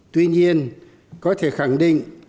tuy nhiên có thể khẳng định